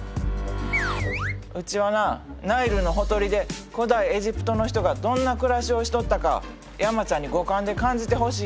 うちはなナイルのほとりで古代エジプトの人がどんな暮らしをしとったか山ちゃんに五感で感じてほしいねん。